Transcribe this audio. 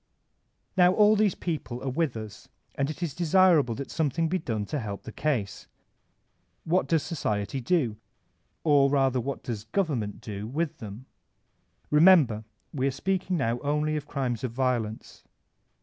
Now all these people are with us, and it is desirable that something be done to help the case. What does Society do? Or rather what does Government do widi them? Remember we are speaking now only of crimes of violence.